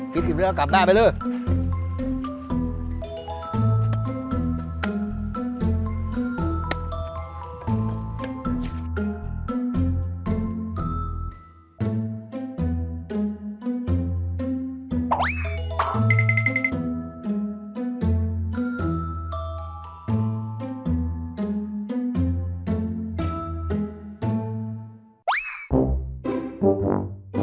กินอีกแล้วกลับได้ไปเลย